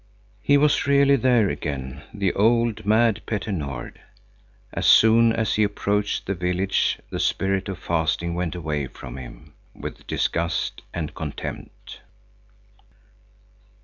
He was really there again, the old, mad Petter Nord. As soon as he approached the village the Spirit of Fasting went away from him with disgust and contempt.